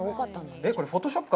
これ、フォトショップか